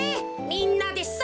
みんなでさ！